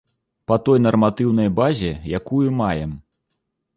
Па той нарматыўнай базе, якую маем.